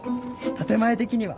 建前的には。